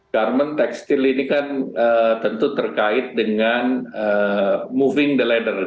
garmen tekstil ini kan tentu terkait dengan moving business